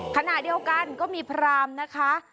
ขณะเดียวกันก็มีพรามนะคะ